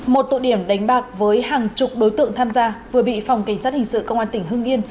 một tụ điểm đánh bạc với hàng chục đối tượng tham gia vừa bị phòng cảnh sát hình sự công an tỉnh hưng yên